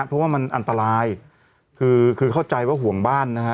เพราะว่ามันอันตรายคือคือเข้าใจว่าห่วงบ้านนะฮะ